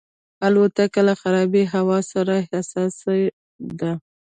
الوتکه له خرابې هوا سره حساسه ده.